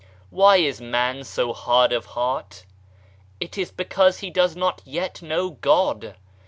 Why is man so hard of heart ? It is because he does not yet know God.